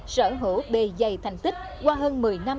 sở hữu bề dày thành tích qua hơn một mươi năm